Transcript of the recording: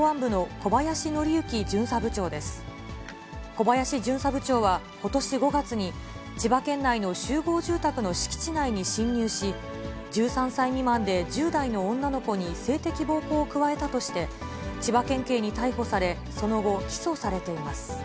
小林巡査部長は、ことし５月に、千葉県内の集合住宅の敷地内に侵入し、１３歳未満で１０代の女の子に性的暴行を加えたとして、千葉県警に逮捕され、その後、起訴されています。